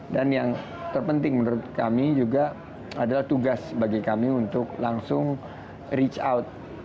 dan yang terpenting menurut kami juga adalah tugas bagi kami untuk langsung reach out